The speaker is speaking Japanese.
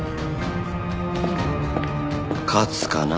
勝つかな？